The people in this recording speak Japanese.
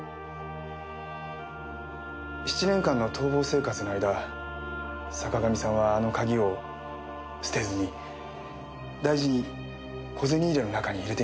７年間の逃亡生活の間坂上さんはあの鍵を捨てずに大事に小銭入れの中に入れていました。